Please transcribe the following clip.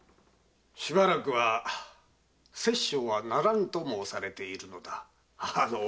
しばらくは「殺生はならぬ」とあのお方が申されているのだ。